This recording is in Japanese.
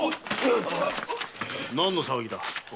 何の騒ぎだ？